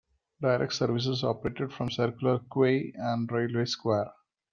Direct services operated from Circular Quay and Railway Square.